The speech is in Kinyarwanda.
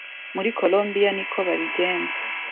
muri Colombia niko babigenza